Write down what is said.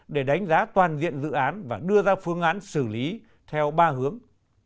để đánh giá toàn diện dự án và đưa ra phương án xử lý theo ba hướng